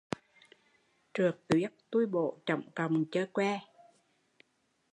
Trượt tuyết tui bổ chổng cọng dơ que